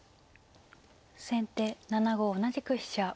先手７五同じく飛車。